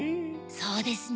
そうですね。